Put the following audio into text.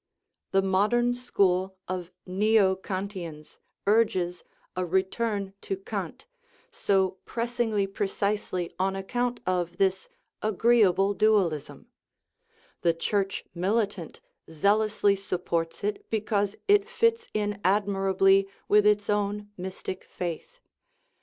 The modern school of neo Kantians urges a " return to Kant " so press ingly precisely on account of this agreeable dualism; the Church militant zealously supports it because it fits in admirably with its own mystic faith.